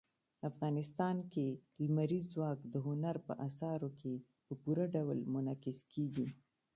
افغانستان کې لمریز ځواک د هنر په اثارو کې په پوره ډول منعکس کېږي.